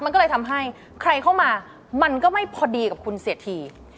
มันก็เลยทำให้ใครเข้ามามันก็ไม่พอดีกับคุณเสียที